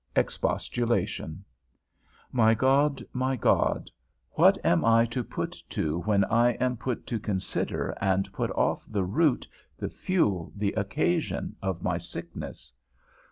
XXII. EXPOSTULATION. My God, my God, what am I put to when I am put to consider and put off the root, the fuel, the occasion of my sickness?